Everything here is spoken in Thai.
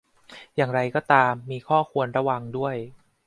อย่างไรก็ตาม มีข้อควรระวังด้วย